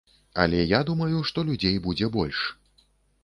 Але я думаю, што людзей будзе больш.